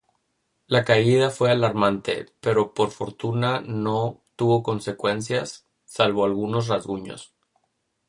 La caída fue alarmante, pero por fortuna no tuvo consecuencias, salvo algunos rasguños.